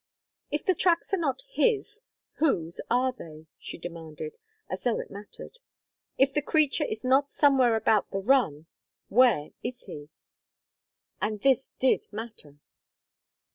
"If the tracks are not his, whose are they?" she demanded, as though it mattered. "If the creature is not somewhere about the run, where is he?" And this did matter.